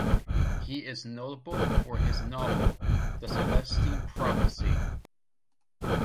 He is notable for his novel "The Celestine Prophecy".